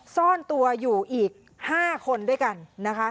ซ่อนตัวอยู่อีก๕คนด้วยกันนะคะ